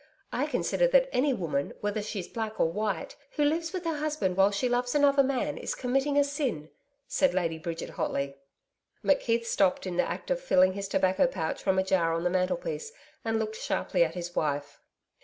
I consider that any woman, whether she's black or white, who lives with her husband while she loves another man is committing a sin,' said Lady Bridget hotly. McKeith stopped in the act of filling his tobacco pouch from a jar on the mantelpiece and looked sharply at his wife.